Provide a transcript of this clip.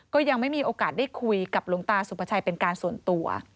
ก็ยังไม่มีโอกาสได้คุยกับหลวงตาสุภาชัยเป็นการส่วนตัว